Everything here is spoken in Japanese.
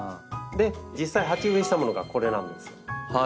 実際鉢植えしたものがこれなんです。